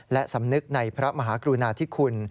และสำนึกในพระมหากรุณาธิคุณ